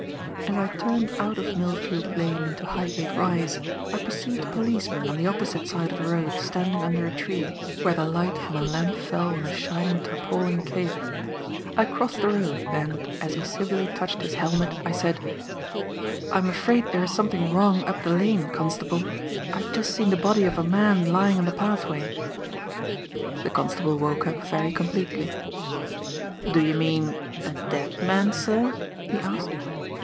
As I turned out of Millfield Lane into Highgate Rise I perceived a policeman on the opposite side of the road standing under a tree, where the light from a lamp fell on his shining tarpaulin cape. I crossed the road, and, as he civilly touched his helmet, I said: "I am afraid there is something wrong up the lane, Constable; I have just seen the body of a man lying on the pathway." The constable woke up very completely. "Do you mean a dead man, sir?" he asked.